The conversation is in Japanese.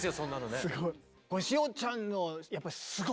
すごい。